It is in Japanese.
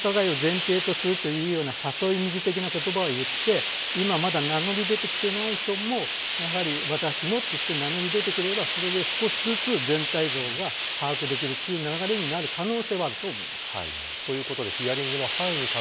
ただ先ほど申し上げましたように性加害を前提とするというような誘い水的な言葉を言って今まだ名乗り出てきていない人もやはり私もと言って名乗り出てくれればそれで少しずつ全体像が把握できるという流れになる可能性はあると思います。